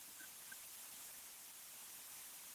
兼工诗文。